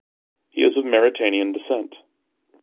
He is of Mauritanian descent.